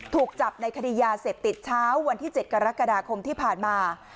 ถูกจับในคดียาเสพติดเช้าวันที่๗กรกฎาคมที่ผ่านมา